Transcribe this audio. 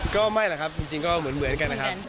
ก็ไม่หรอกครับจริงก็เหมือนเหมือนกันนะครับ